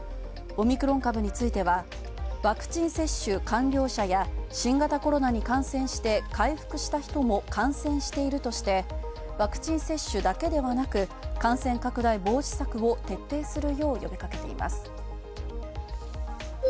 オミクロン株については、ワクチン接種完了者や新型コロナに感染して回復した人も感染しているとして、ワクチン接種だけではなく感染拡大防止策を徹底するよう呼びかけています。